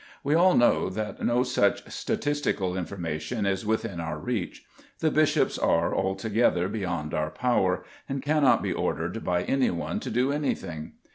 We all know that no such statistical information is within our reach. The bishops are altogether beyond our power, and cannot be ordered by any one to do anything.